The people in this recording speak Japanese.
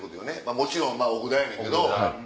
もちろんお札やねんけど。